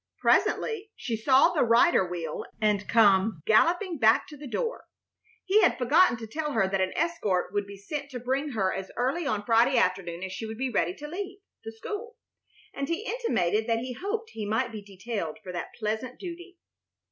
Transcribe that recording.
Presently she saw the rider wheel and come galloping back to the door. He had forgotten to tell her that an escort would be sent to bring her as early on Friday afternoon as she would be ready to leave the school, and he intimated that he hoped he might be detailed for that pleasant duty.